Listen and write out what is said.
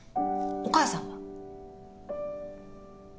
お母さんは？